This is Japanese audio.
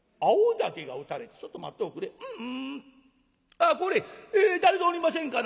あっこれ誰ぞおりませんかな？